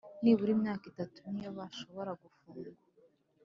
nibura imyaka itatu niyo bashobora gufungwa